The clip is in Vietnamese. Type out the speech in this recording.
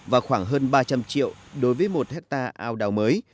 và khoảng hơn ba trăm linh triệu đối với một hectare ao đào mới